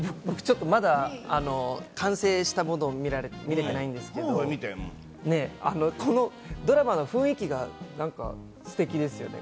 僕ちょっとまだ完成したものを見られてないんですけども、このドラマの雰囲気がすてきですよね。